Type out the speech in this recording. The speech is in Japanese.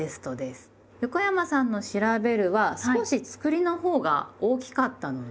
横山さんの「『調』べる」は少しつくりのほうが大きかったので。